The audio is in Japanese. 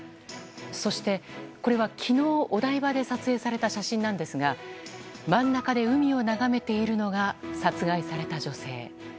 そして、これは昨日お台場で撮影された写真なんですが真ん中で海を眺めているのが殺害された女性。